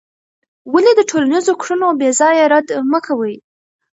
ولې د ټولنیزو کړنو بېځایه رد مه کوې؟